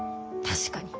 確かに。